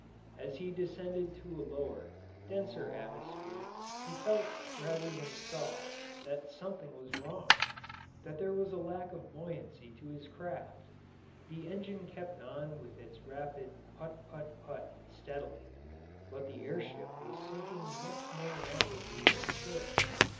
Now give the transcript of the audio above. As he descended to a lower, denser atmosphere he felt rather than saw that something was wrong that there was a lack of buoyancy to his craft. The engine kept on with its rapid "phut, phut, phut" steadily, but the air ship was sinking much more rapidly than it should.